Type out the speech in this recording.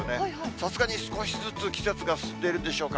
さすがに少しずつ季節が進んでいるんでしょうか。